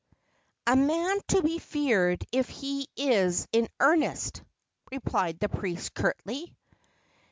"A man to be feared if he is in earnest," replied the priest curtly.